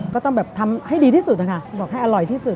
ก็ต้องแบบทำให้ดีที่สุดนะคะบอกให้อร่อยที่สุด